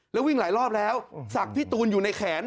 แล้ววิ่งหลายรอบแล้วศักดิ์พี่ตูนอยู่ในแขน